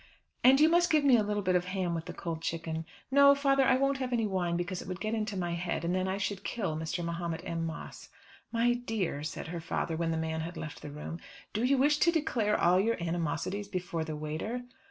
"And you must give me a little bit of ham with the cold chicken. No, father; I won't have any wine because it would get into my head, and then I should kill Mr. Mahomet M. Moss." "My dear," said her father when the man had left the room, "do you wish to declare all your animosities before the waiter?"